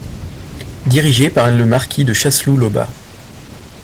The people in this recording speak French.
Dirigé par le marquis de Chasseloup-Laubat.